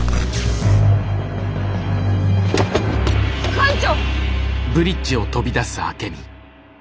艦長！